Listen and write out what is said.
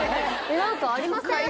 何かありません？